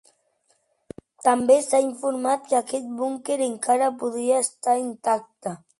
També s'ha informat que aquest búnquer encara podria estar intacte.